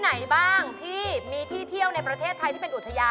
มันเข้าในเองตับนี้เอียวจริงหรือเปล่า